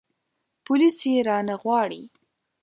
پوليس يې رانه غواړي.